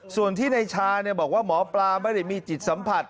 ส่วนที่ในชาบอกว่าหมอปลาไม่ได้มีจิตสัมผัส